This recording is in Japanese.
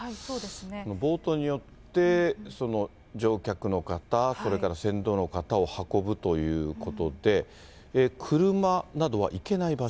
ボートによって、乗客の方、それから船頭の方を運ぶということで、車などは行けない場所。